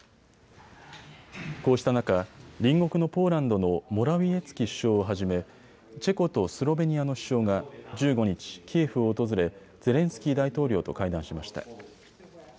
こうした中、隣国のポーランドのモラウィエツキ首相をはじめチェコとスロベニアの首相が１５日、キエフを訪れゼレンスキー大統領と会談しました。